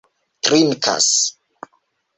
trinkas